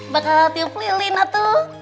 bakal tiup lilin ah tuh